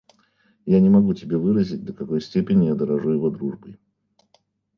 Я не могу тебе выразить, до какой степени я дорожу его дружбой.